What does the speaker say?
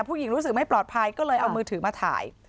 รู้สึกไม่ปลอดภัยก็เลยเอามือถือมาถ่าย